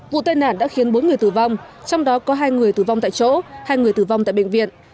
vụ tai nạn đã khiến bốn người tử vong trong đó có hai người tử vong tại chỗ hai người tử vong tại bệnh viện